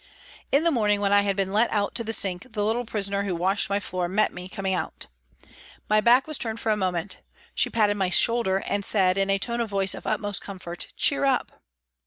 In the morning when I had been let out to the sink, the little prisoner who washed my floor met me coming out. My back was turned for a moment ; she patted my shoulder and said, in a tone of voice of utmost comfort, " Cheer up